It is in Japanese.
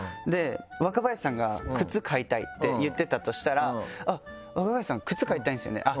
若林さんが「靴買いたい」って言ってたとしたら「若林さん靴買いたいんですよね